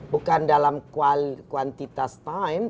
bukan dalam kuantitas waktu